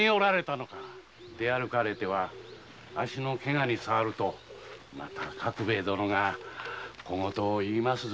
出歩かれては足のケガにさわると角兵衛殿が小言を言いますぞ。